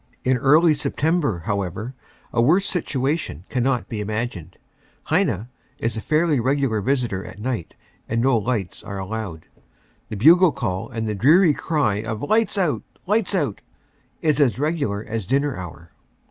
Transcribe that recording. In early September, however, a worse situation cannot be imagined. "Heine" is a fairly regular visitor at night and no lights are allowed. The bugle call and the dreary cry of "lights out lights out," is as regular as dinner hour.